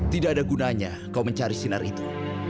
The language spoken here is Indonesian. tidak ada gunanya kau mencari sinar itu